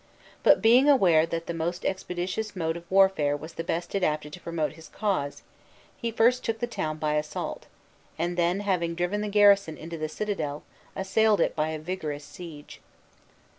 But being aware that the most expeditious mode of warfare was the best adapted to promote his cause, he first took the town by assault; and then, having driven the garrison into the citadel, assailed it by a vigorous seige.